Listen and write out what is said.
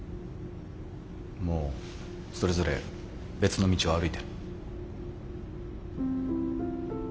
もうそれぞれ別の道を歩いてる。